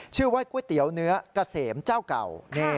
ชื่อว่าก๋วยเตี๋ยวเนื้อเกษมเจ้าเก่า